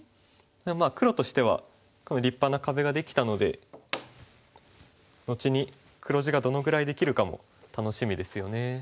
でもまあ黒としては立派な壁ができたので後に黒地がどのぐらいできるかも楽しみですよね。